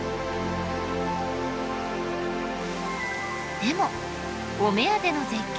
でもお目当ての絶景